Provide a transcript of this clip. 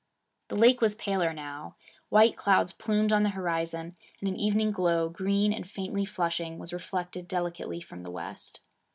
The lake was paler now. White clouds plumed on the horizon, and an evening glow, green and faintly flushing, was reflected delicately from the west.